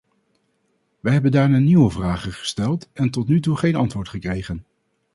Wij hebben daarna nieuwe vragen gesteld en tot nu toe geen antwoord gekregen.